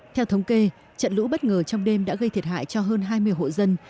theo thống kê trận lũ bất ngờ trong đêm đã gây thiệt hại cho hơn hai mươi hộ dân